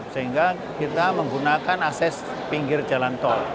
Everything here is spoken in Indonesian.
sehingga kita menggunakan akses pinggir jalan tol